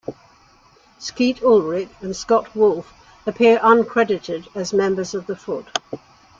Skeet Ulrich and Scott Wolf appear uncredited as members of the Foot.